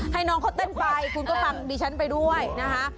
ให้น้องเขาเต้นไปคุณก็ฟังดิฉันไปด้วยนะคะ